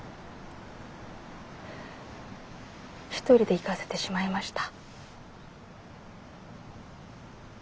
独りで逝かせてしまいました。